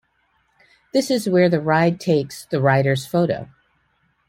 This is where the ride takes the rider's photo.